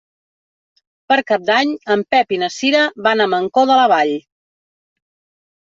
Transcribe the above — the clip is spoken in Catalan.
Per Cap d'Any en Pep i na Cira van a Mancor de la Vall.